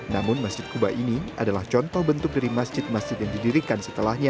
namun masjid kuba ini adalah contoh bentuk dari masjid masjid yang didirikan setelahnya